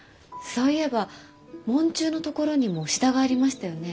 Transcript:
そういえば門柱の所にもシダがありましたよね。